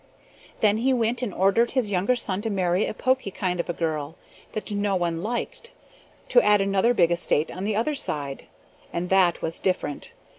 "Then he went and ordered his younger son to marry a poky kind of a girl, that no one liked, to add another big estate on the other side, and that was different.